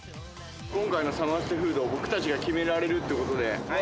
今回のサマステフードを僕たちが決められるって事で。